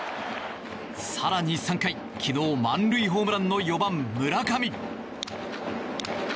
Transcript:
更に３回昨日、満塁ホームランの４番、村上。